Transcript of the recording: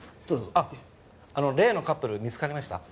あっ例のカップル見つかりました？